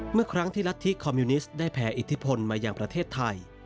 เมื่อครั้งที่รัฐธิคอมมิวนิสต์ได้แผ่อิทธิพลมาอย่างประเทศไทย